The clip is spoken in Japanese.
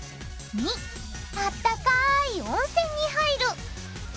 ②あったかい温泉に入る。